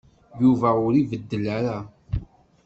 Yuba ur ibeddel ara.